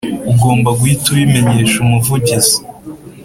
ugomba guhita ubimenyesha Umuvugizi